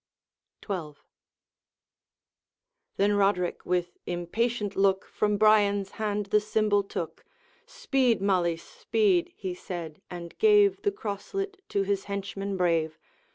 XII. Then Roderick with impatient look From Brian's hand the symbol took: 'Speed, Malise, speed' he said, and gave The crosslet to his henchman brave.